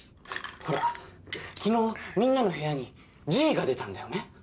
ほら昨日みんなの部屋にＧが出たんだよね？